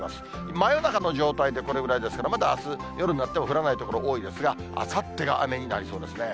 真夜中の状態でこれぐらいですから、まだあす夜になっても降らない所多いですが、あさってが雨になりそうですね。